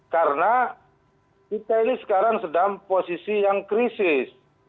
karena kita ini sekarang sedang posisi yang krisis